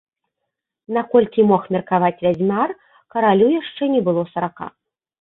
Наколькі мог меркаваць вядзьмар, каралю яшчэ не было сарака.